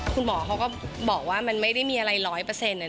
คุณหมอเขาก็บอกว่ามันไม่ได้มีอะไรร้อยเปอร์เซ็นต์